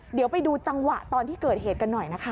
เดี๋ยวไปดูจังหวะตอนที่เกิดเหตุกันหน่อยนะคะ